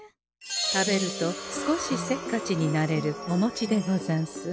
食べると少しせっかちになれるおもちでござんす。